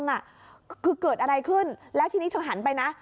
คือเกิดอะไรขึ้นแล้วทีนี้เธอหันไปนะ